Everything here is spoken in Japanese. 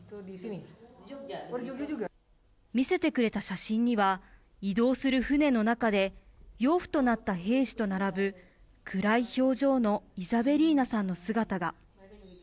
見せてくれた写真には移動する船の中で養父となった兵士と並ぶ暗い表情のイザベリーナさんの姿が。